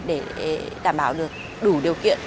để đảm bảo được đủ điều kiện